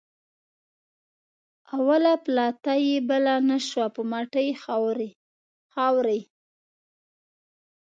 اوله پلته یې بله نه شوه په مټې خوارۍ.